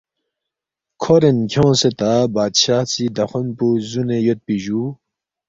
کھورین کھیونگسے تا بادشاہ سی دخون پو زُونے یودپی جُو